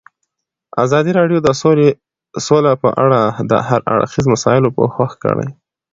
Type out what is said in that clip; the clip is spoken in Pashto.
ازادي راډیو د سوله په اړه د هر اړخیزو مسایلو پوښښ کړی.